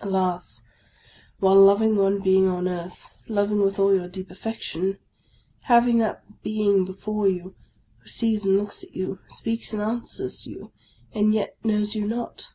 Alas ! while loving one being on earth, loving with all your deep affection, having that being before you, who sees and looks at you, speaks and answers you, and yet knows you not